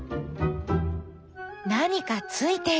何かついている。